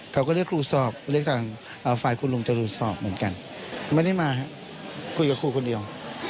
เค้าก็เรียกครูสอบไม่ได้มาคุยกับคุณเดียว